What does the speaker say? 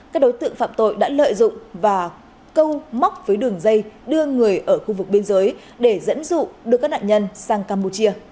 các đối tượng phạm tội đã lợi dụng và câu móc với đường dây đưa người ở khu vực biên giới để dẫn dụ đưa các nạn nhân sang campuchia